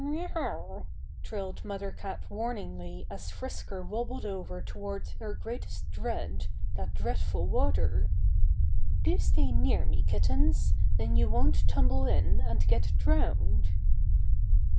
"Mr r r owh!" trilled Mother cat warningly as Frisker wobbled over toward her greatest dread, that dreadful water! "Do stay near me, kittens; then you won't tumble in and get drowned."